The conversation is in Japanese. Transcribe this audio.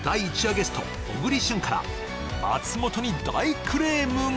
ゲスト小栗旬から松本に大クレームが